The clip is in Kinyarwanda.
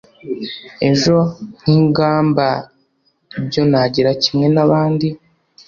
Ejo nkigamba ibyo nagira kimwe nabandi